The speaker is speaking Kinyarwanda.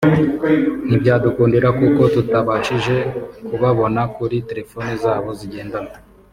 ntibyadukundira kuko tutabashije kubabona kuri telefone zabo zigendanwa